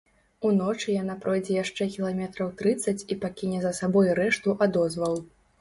Уночы яна пройдзе яшчэ кіламетраў трыццаць і пакіне за сабой рэшту адозваў.